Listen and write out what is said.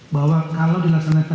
bahwa kalau dilaksanakan